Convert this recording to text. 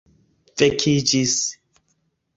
vekiĝis